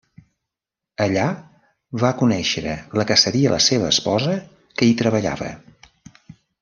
Allà va conèixer la que seria la seva esposa, que hi treballava.